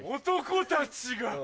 男たちが